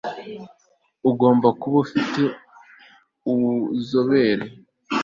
agomba kuba afite ubuzobere